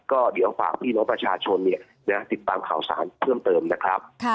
ก็เดี๋ยวฝากพี่น้องประชาชนติดตามข่าวสารเพิ่มเติมนะครับ